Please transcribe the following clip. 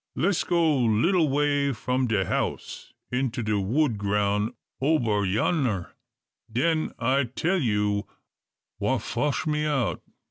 Les' go little way from de house, into de wood groun' ober yonner; den I tell you wha fotch me out.